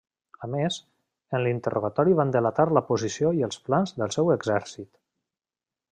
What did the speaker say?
A més, en l’interrogatori van delatar la posició i els plans del seu exèrcit.